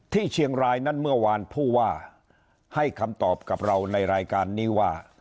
ที่เชียงรายนั้นเมื่อวานผู้ว่าให้คำตอบกับเราในรายการนี้ว่า